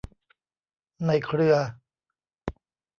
ในเครือ